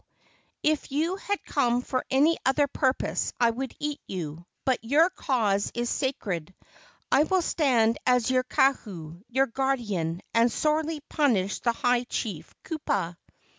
If you had come for any other purpose I would eat you, but your cause is sacred. I will stand as your kahu, your guardian, and sorely punish the high chief Kupa."